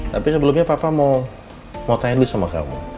tapi sebelumnya papa mau tanya dulu sama kamu